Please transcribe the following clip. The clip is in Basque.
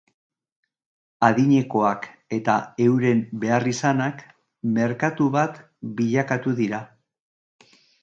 Adinekoak eta euren beharrizanak merkatu bat bilakatu dira.